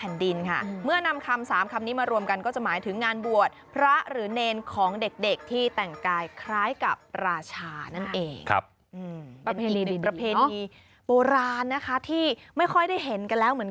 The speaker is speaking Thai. แล้วก็ลองแปลว่าราชากษัตริย์นั้นเอง